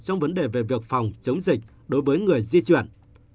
trong vấn đề về việc phòng chống dịch đối với người di chuyển